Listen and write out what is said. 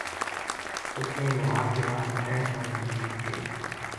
اُس نے لوہار کے ناڑ ترے سال مزوری کئی